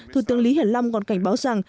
thủ tướng lý hiển long còn cảnh báo rằng